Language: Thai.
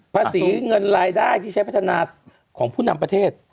เงินรายได้ที่ใช้พัฒนาของผู้นำประเทศ